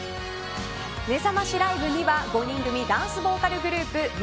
めざましライブには５人組ダンスボーカルグループＭ！